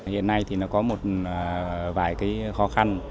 hiện nay thì nó có một vài cái khó khăn